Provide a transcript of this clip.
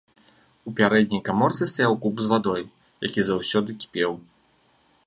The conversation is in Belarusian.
У пярэдняй каморцы стаяў куб з вадой, які заўсёды кіпеў.